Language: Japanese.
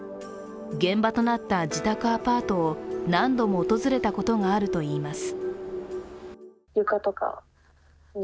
現場となった自宅アパートを何度も訪れたことがあるといいます。